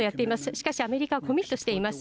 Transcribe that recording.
しかしアメリカはコミットしています。